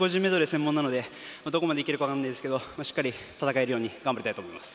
専門なのでどこまでいけるか分かりませんがしっかり戦えるように頑張りたいと思います。